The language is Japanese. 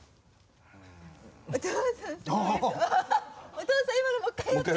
お父さん今のもう一回やって。